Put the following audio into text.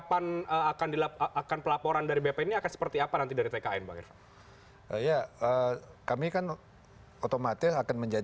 jadi akan mengajukan diri sebagai pihak terkait ya